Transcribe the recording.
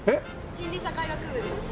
心理社会学部です。